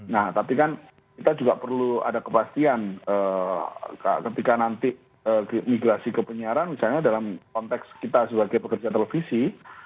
nah tapi kan kita juga perlu ada kepastian ketika nanti migrasi ke penyiaran misalnya dalam konteks kita sebagai pekerja televisi